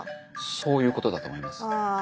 そういうことだと思います。